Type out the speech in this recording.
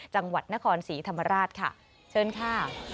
จังหวัดนครศรีธรรมราชค่ะเชิญค่ะ